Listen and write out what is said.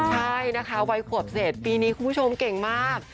ใช่นะคะวัยขวบเศษปีนี้คุณผู้ชมเก่งมาก